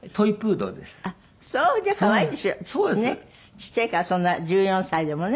ちっちゃいからそんな１４歳でもね。